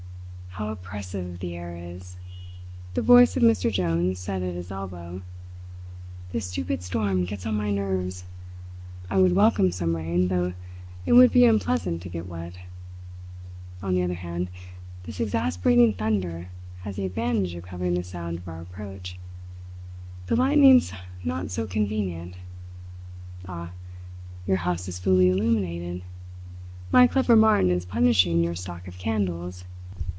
"How oppressive the air is!" the voice of Mr. Jones said at his elbow. "This stupid storm gets on my nerves. I would welcome some rain, though it would be unpleasant to get wet. On the other hand, this exasperating thunder has the advantage of covering the sound of our approach. The lightning's not so convenient. Ah, your house is fully illuminated! My clever Martin is punishing your stock of candles.